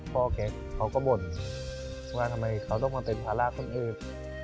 แกเขาก็บ่นว่าทำไมเขาต้องมาเป็นภาระคนอื่น